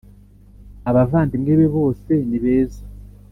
Abavandimwe be bose ni beza